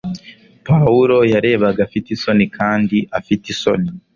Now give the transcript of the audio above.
Pawulo yarebaga afite isoni kandi afite isoni